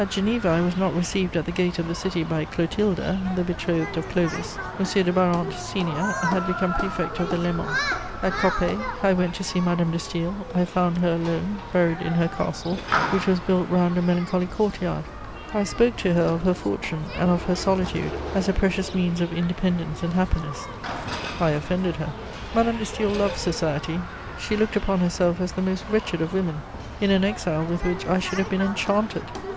At Geneva, I was not received at the gate of the city by Clotilda, the betrothed of Clovis: M. de Barante, senior, had become Prefect of the Léman. At Coppet, I went to see Madame de Staël: I found her alone, buried in her castle, which was built round a melancholy court yard. I spoke to her of her fortune and of her solitude as a precious means of independence and happiness: I offended her. Madame de Staël loved society; she looked upon herself as the most wretched of women, in an exile with which I should have been enchanted.